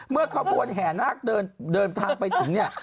เมื่อเขาบวนแห่นักเดินทางไปถึงนี่